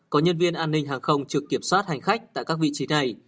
có nhân viên an ninh hàng không trực kiểm soát hành khách tại các vị trí này